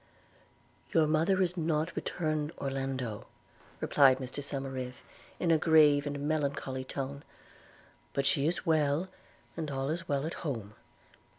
'Your mother is not returned, Orlando,' replied Mr Somerive in a grave and melancholy tone; 'but she is well, and all is well at home.'